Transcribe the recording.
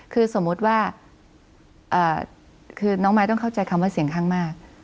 คือสมมุติว่าคือน้องมายต้องเข้าใจคำว่าเสียงข้างมาก